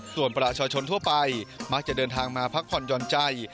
ส่วนประชาชนทั่วไปมักจะเดินทางมาพักผ่อนหย่อนใจ